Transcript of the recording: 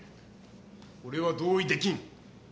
俺は同意できん。